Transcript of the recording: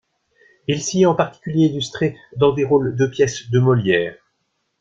Il s'y est en particulier illustré dans des rôles de pièces de Molière.